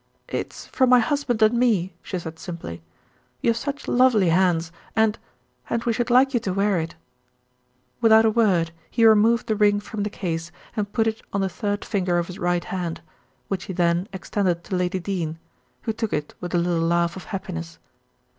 "It's from my husband and me," she said simply. "You have such lovely hands, and and we should like you to wear it." Without a word he removed the ring from the case and put it on the third finger of his right hand, which he then extended to Lady Dene, who took it with a little laugh of happiness.